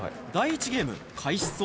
第１ゲーム開始